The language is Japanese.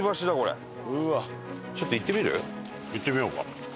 行ってみようか。